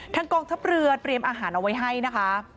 กองทัพเรือเตรียมอาหารเอาไว้ให้นะคะ